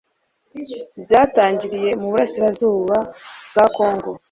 byatangiriye mu burasirazuba bwakongo